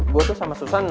gue tuh sama susan